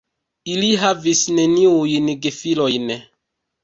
Ili havis neniujn gefilojn.